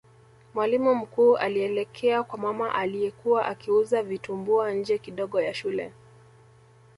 mwalimu mkuu alielekea kwa mama aliyekuwa akiuza vitumbua nje kidogo ya shule